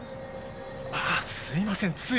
あぁすいませんつい。